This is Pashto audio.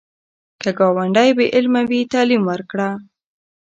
که ګاونډی بې علمه وي، تعلیم ورکړه